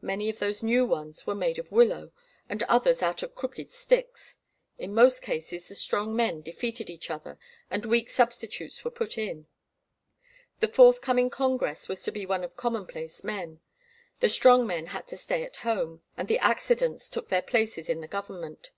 Many of those new ones were made of willow, and others out of crooked sticks. In most cases the strong men defeated each other, and weak substitutes were put in. The forthcoming Congress was to be one of commonplace men. The strong men had to stay at home, and the accidents took their places in the government.